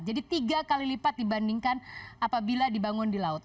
jadi tiga kali lipat dibandingkan apabila dibangun di laut